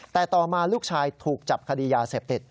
แต่ต่อมาลูกชายถูกจับคดียาเสพติด